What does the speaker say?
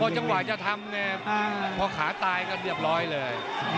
จังหวะจะทำไงพอขาตายก็เรียบร้อยเลย